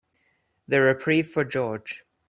The reprieve for George.